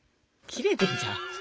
切れてんじゃん。